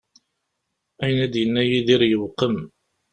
Ayen i d-yenna Yidir yewqem.